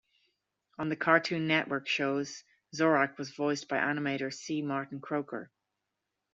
On the Cartoon Network shows, Zorak was voiced by animator C. Martin Croker.